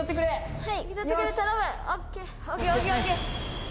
はい！